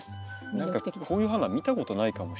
何かこういう花見たことないかもしれないですね。